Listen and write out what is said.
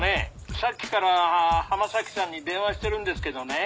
さっきから浜崎さんに電話してるんですけどね